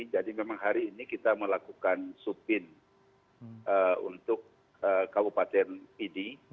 jadi memang hari ini kita melakukan supin untuk kabupaten pdi